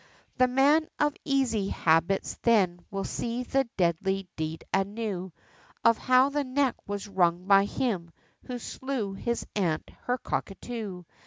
The man of easy habits then will see the deadly deed anew, Of how the neck was wrung by him, who slew his aunt, her cockatoo.